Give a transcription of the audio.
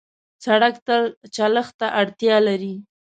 سړک تل چلښت ته اړتیا لري.